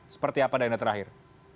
seperti apa dainat terakhir